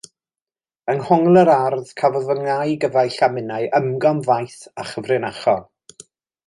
Yng nghongl yr ardd cafodd fy nau gyfaill a minnau ymgom faith a chyfrinachol.